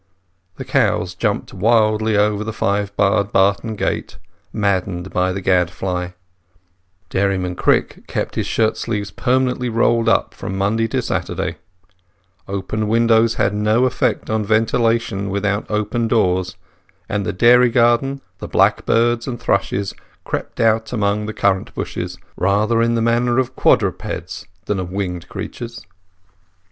The cows jumped wildly over the five barred barton gate, maddened by the gad fly; Dairyman Crick kept his shirt sleeves permanently rolled up from Monday to Saturday; open windows had no effect in ventilation without open doors, and in the dairy garden the blackbirds and thrushes crept about under the currant bushes, rather in the manner of quadrupeds than of winged creatures.